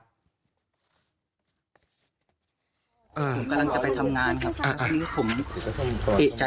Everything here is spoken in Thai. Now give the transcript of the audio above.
ผมกำลังจะไปทำงานครับที่ผมเอกใจ